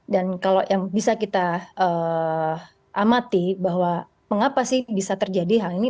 dan kalau yang bisa kita amati bahwa mengapa sih bisa terjadi hal ini